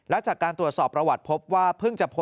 แล้วจากการตรวจสอบประวัติภพว่า